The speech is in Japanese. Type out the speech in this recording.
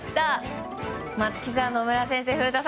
松木さん、野村先生古田さん